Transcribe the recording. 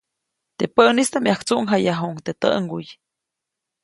Teʼ päʼnistaʼm, yajktsuʼŋjayajuʼuŋ teʼ täʼŋguy.